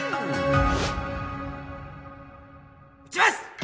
撃ちます！